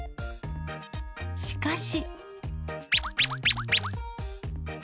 しかし。